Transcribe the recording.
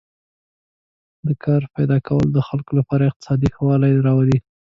د کار پیدا کول د خلکو لپاره اقتصادي ښه والی راولي.